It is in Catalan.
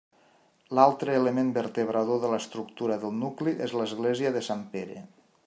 L'altre element vertebrador de l'estructura del nucli és l'església de Sant Pere.